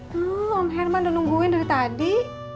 tolong herman udah nungguin dari tadi